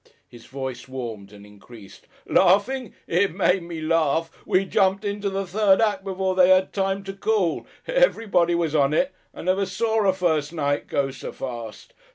His voice warmed and increased. "Laughing! It made me laugh! We jumped 'em into the third act before they had time to cool. Everybody was on it. I never saw a first night go so fast.